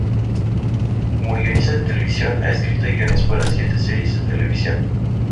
Como guionista de televisión, ha escrito guiones para siete series de televisión.